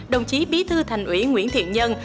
đồng chí bí thư thành ủy nguyễn thiện nhân